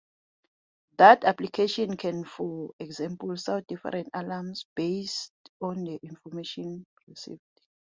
That application can, for example, sound different alarms based on the information received.